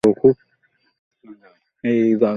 ওর হাসিটা দেখুন, পিচ্চি রাজকন্যা আমার।